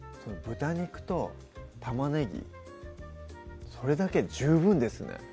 豚肉と玉ねぎそれだけで十分ですね